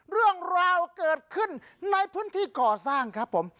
เรื่องราวเกิดขึ้นในพื้นที่ก่อสร้างครับผม